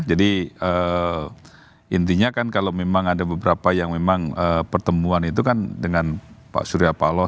jadi intinya kan kalau memang ada beberapa yang memang pertemuan itu kan dengan pak surya paloh